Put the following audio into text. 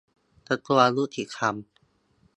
กระทรวงยุติธรรม